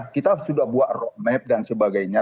kita sudah buat roadmap dan sebagainya